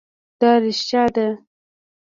دا رښتيا ده؟